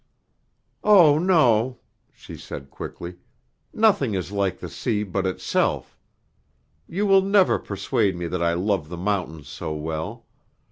"Oh, no," she said quickly. "Nothing is like the sea but itself. You will never persuade me that I love the mountains so well.